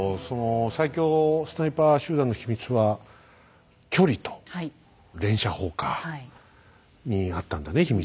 その最強スナイパー集団の秘密は距離と連射法かにあったんだね